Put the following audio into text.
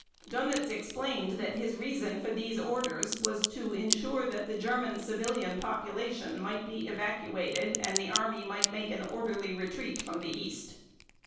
Dönitz explained that his reason for these orders was to insure that the German civilian population might be evacuated and the Army might make an orderly retreat from the East.